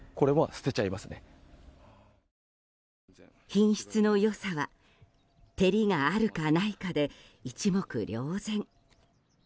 品質の良さは照りがあるかないかで一目瞭然。